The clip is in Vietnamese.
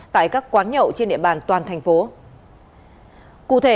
tại các quán nhậu trên địa bàn toàn thành phố